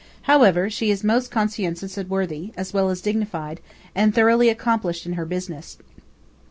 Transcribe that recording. However, she is most conscientious and worthy, as well as dignified, and thoroughly accomplished in her business.